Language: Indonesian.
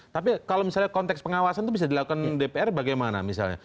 tapi kalau misalnya konteks pengawasan itu bisa dilakukan dpr bagaimana misalnya